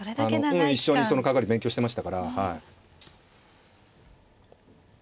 うん一緒にその角換わり勉強してましたから。